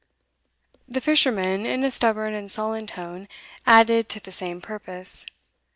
The fisherman, in a stubborn and sullen tone, added to the same purpose.